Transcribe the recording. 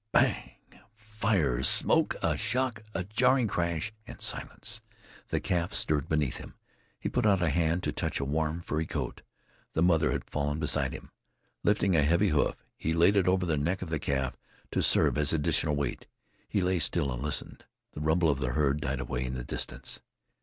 Bang! Fire, smoke, a shock, a jarring crash, and silence! The calf stirred beneath him. He put out a hand to touch a warm, furry coat. The mother had fallen beside him. Lifting a heavy hoof, he laid it over the neck of the calf to serve as additional weight. He lay still and listened. The rumble of the herd died away in the distance.